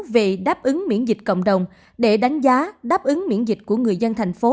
về đáp ứng miễn dịch cộng đồng để đánh giá đáp ứng miễn dịch của người dân thành phố